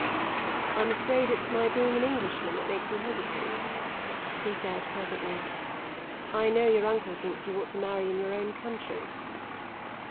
"I'm afraid it's my being an Englishman that makes you hesitate," he said presently. "I know your uncle thinks you ought to marry in your own country."